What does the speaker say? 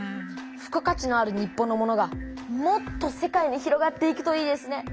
付加価値のある日本のものがもっと世界に広がっていくといいですね。